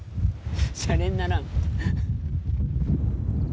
シャレにならん。